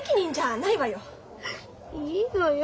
いいのよ